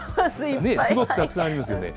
すごくたくさんありますよね。